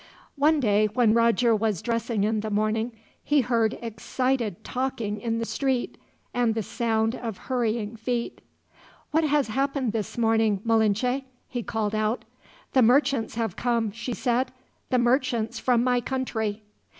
One day, when Roger was dressing in the morning, he heard excited talking in the street, and the sound of hurrying feet. "What has happened this morning, Malinche?" he called out. "The merchants have come," she said. "The merchants from my country."